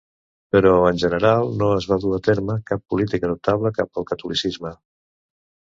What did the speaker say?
Però, en general, no es va dur a terme cap política notable cap al catolicisme.